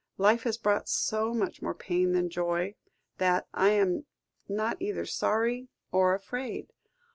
Life has brought so much more pain than joy that I am not either sorry or afraid.